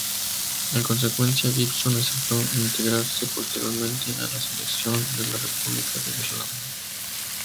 En consecuencia, Gibson aceptó integrarse posteriormente a la Selección de la República de Irlanda.